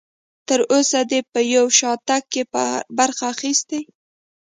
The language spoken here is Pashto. تر اوسه دې په یو شاتګ کې برخه اخیستې؟